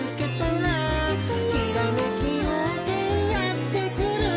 「ひらめきようせいやってくる」